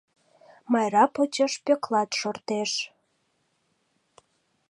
Майра почеш Пӧклат шортеш.